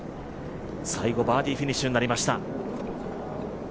最後バーディーフィニッシュになりました。